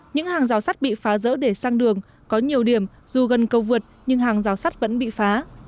những hàng giao sát bị phá rỡ để sang đường có nhiều điểm dù gần câu vượt nhưng hàng giao sát vẫn bị phá